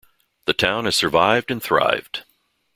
The town has survived and thrived.